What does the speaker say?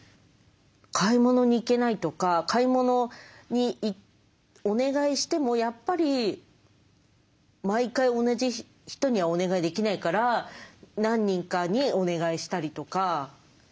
買い物に行けないとか買い物にお願いしてもやっぱり毎回同じ人にはお願いできないから何人かにお願いしたりとか。